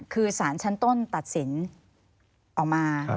คือสารชั้นต้นตัดสินออกมา